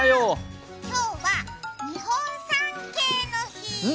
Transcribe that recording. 今日は日本三景の日。